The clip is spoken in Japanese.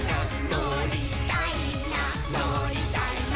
「のりたいなのりたいな」